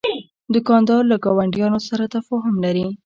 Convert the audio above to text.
دوکاندار له ګاونډیانو سره تفاهم لري.